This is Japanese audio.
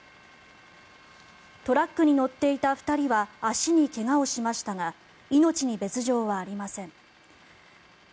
トラックに乗っていた２人は足に怪我をしましたが命に別条はありません。